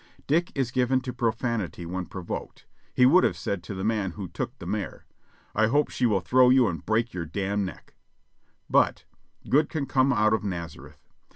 Dick is given to profanity when pro 7IO JOHNNY REB AND BIIvI^Y YANK voked ; he would have said to the man who took the mare : "I hope she will throw you and break your damn neck." But "good can come out of Nazareth